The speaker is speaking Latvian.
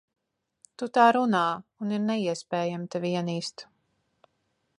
Tu tā runā, un ir neiespējami tevi ienīst.